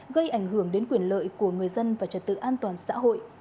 gây ảnh hưởng đến quyền lợi của người dân và trật tự an toàn xã hội